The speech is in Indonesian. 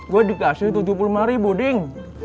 gue dikasih tujuh puluh lima ribu ding